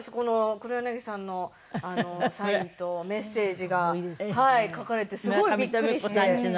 黒柳さんのサインとメッセージが書かれてすごいびっくりして。